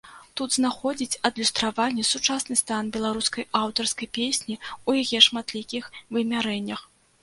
Тут знаходзіць адлюстраванне сучасны стан беларускай аўтарскай песні ў яе шматлікіх вымярэннях.